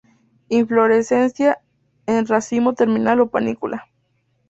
Inflorescencia en racimo terminal o panícula.